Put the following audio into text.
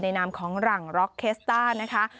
นามของหลังร็อกเคสต้านะคะ